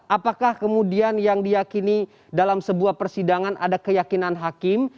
apakah kemudian yang diakini dalam sebuah persidangan ada keyakinan hakim